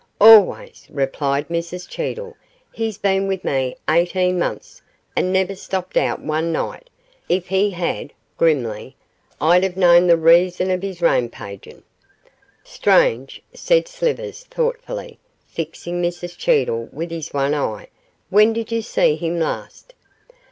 'Always,' replied Mrs Cheedle; 'he's bin with me eighteen months and never stopped out one night; if he had,' grimly, 'I'd have known the reason of his rampagin'.' 'Strange,' said Slivers, thoughtfully, fixing Mrs Cheedle with his one eye; 'when did you see him last?